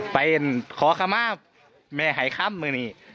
ไปขอคำมาแม่หายคำมือนี้